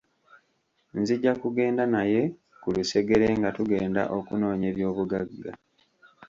Nzija kugenda naye ku lusegere nga tugenda okunoonya eby'obugagga.